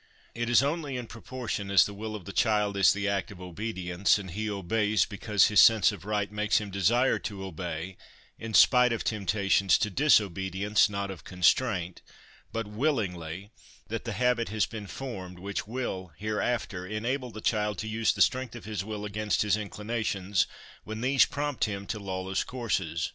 It is only in proportion as the will of the child is in the act of obedience, and he obeys because his sense of right makes him desire to obey in spite of temptations to disobedience not of constraint, but willingly that the habit has been formed which will, hereafter, enable the child to use the strength of his will against 1 62 HOME EDUCATION his inclinations when these prompt him to lawless courses.